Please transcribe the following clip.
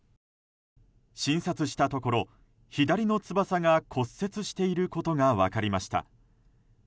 診察したところ左の翼が骨折していることが分かりました。